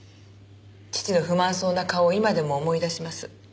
父の不満そうな顔を今でも思い出します。